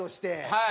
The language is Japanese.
はい。